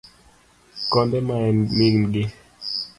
Konde ma en min gi.